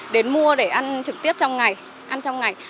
đến mua để ăn trực tiếp trong ngày ăn trong ngày